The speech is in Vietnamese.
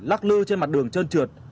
lắc lư trên mặt đường chân trượt